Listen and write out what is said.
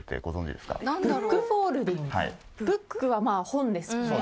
ブックは本ですよね。